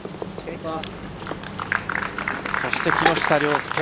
そして、木下稜介。